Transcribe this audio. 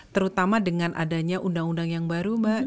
terutama dengan adanya undang undang yang baru mbak